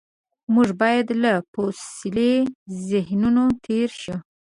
موږ باید له فوسیلي ذهنیتونو تېر شو.